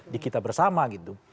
di kita bersama gitu